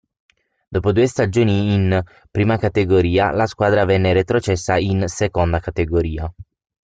Dopo due stagioni in Prima Categoria, la squadra venne retrocessa in Seconda Categoria.